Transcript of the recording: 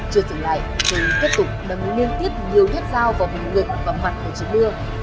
chưa dừng lại hưng tiếp tục đâm liên tiếp nhiều nhét dao vào bằng ngực và mặt của trị mưa